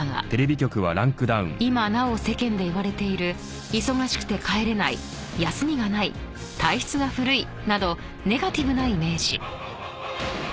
［今なお世間でいわれている忙しくて帰れない休みがない体質が古いなどネガティブなイメージ］